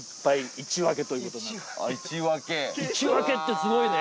１分け。